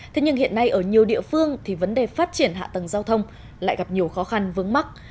thế nhưng hiện nay ở nhiều địa phương thì vấn đề phát triển hạ tầng giao thông lại gặp nhiều khó khăn vướng mắt